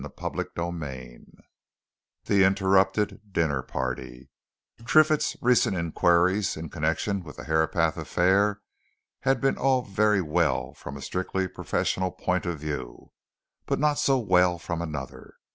CHAPTER XXXI THE INTERRUPTED DINNER PARTY Triffitt's recent inquiries in connection with the Herapath affair had been all very well from a strictly professional point of view, but not so well from another.